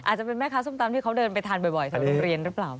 อาจจะเป็นแม่ค้าส้มตำที่เขาเดินไปทานบ่อยแถวโรงเรียนหรือเปล่า